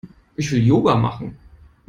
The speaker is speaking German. Ich will Yoga machen.